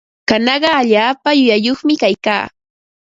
Kanaqa allaapa rurayyuqmi kaykaa.